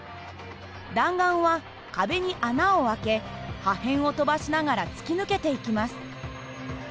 弾丸は壁に穴を開け破片を飛ばしながら突き抜けていきます。